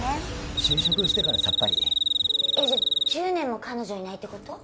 就職してからさっぱりえッじゃ１０年も彼女いないってこと？